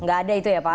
gak ada itu ya pak